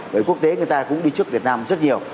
bởi quốc tế người ta cũng đi trước việt nam rất nhiều